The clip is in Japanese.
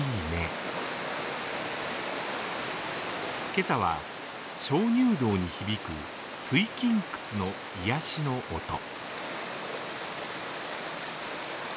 今朝は鍾乳洞に響く水琴窟の癒やしの音。